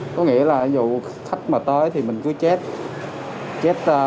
có nghĩa là dù khách mà tới thì mình cứ chết